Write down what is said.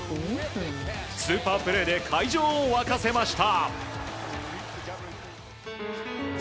スーパープレーで会場を沸かせました。